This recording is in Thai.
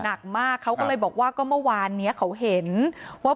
หนักมากเขาก็เลยบอกว่าก็เมื่อวานเนี้ยเขาเห็นว่า